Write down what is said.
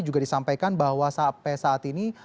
juga disampaikan bahwa sampai saat ini